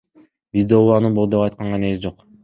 Бизде уулануу болду деп айтканга негиз жок.